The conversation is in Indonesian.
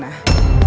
sampai jumpa lagi